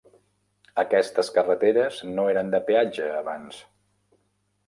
Aquestes carreteres no eren de peatge abans.